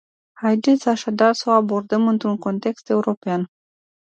Haideți așadar să o abordăm într-un context european.